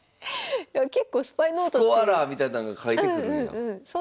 スコアラーみたいなんが書いてくるんや。